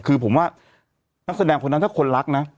คือผมว่านักแสดงคนนั้นถ้าคนรักนะ